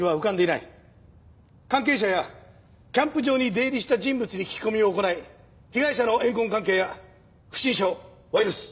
関係者やキャンプ場に出入りした人物に聞き込みを行い被害者の怨恨関係や不審者を割り出す。